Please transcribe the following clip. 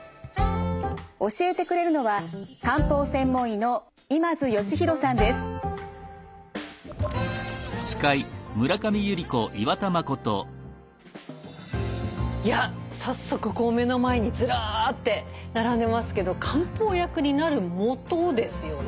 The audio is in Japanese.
教えてくれるのはいや早速目の前にずらって並んでますけど漢方薬になるもとですよね。